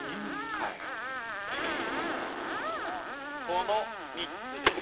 この３つです。